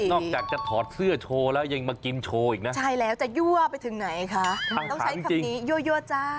อกจากจะถอดเสื้อโชว์แล้วยังมากินโชว์อีกนะใช่แล้วจะยั่วไปถึงไหนคะต้องใช้คำนี้ยั่วจ้า